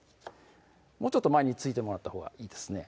もうちょっと前に突いてもらったほうがいいですね